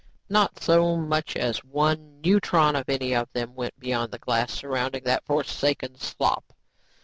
"Not so much as one neutron of any of them went beyond the glass surrounding that forsaken slop.